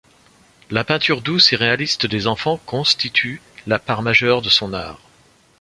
La peinture douce et réaliste des enfants consititue la part majeure de son art.